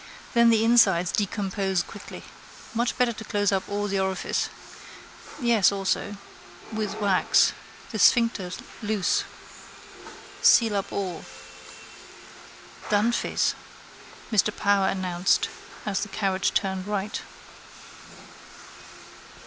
Then the insides decompose quickly. Much better to close up all the orifices. Yes, also. With wax. The sphincter loose. Seal up all. —Dunphy's, Mr Power announced as the carriage turned right.